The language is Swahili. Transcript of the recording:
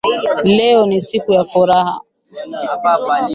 Leo ni siku ya furaha.